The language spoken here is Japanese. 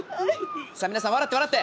さあ皆さん笑って笑って！